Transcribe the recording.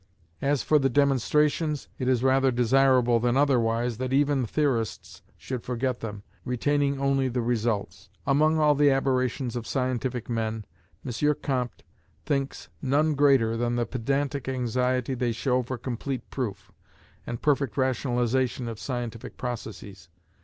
As for the demonstrations, it is rather desirable than otherwise that even theorists should forget them, retaining only the results. Among all the aberrations of scientific men, M. Comte thinks none greater than the pedantic anxiety they show for complete proof, and perfect rationalization of scientific processes.